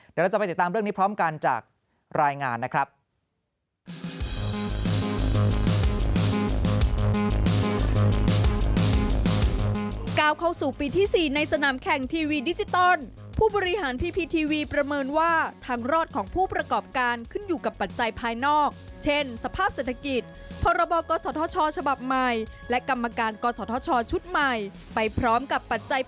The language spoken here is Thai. เดี๋ยวเราจะไปติดตามเรื่องนี้พร้อมกันจากรายงานนะครับ